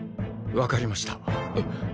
わかりました。